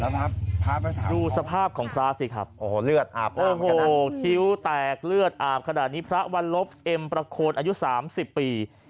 ดูสภาพของข้าสิครับคิ้วแตกเลือดอาบพระวัลลบเอ็มประโคนอายุ๓๐ปี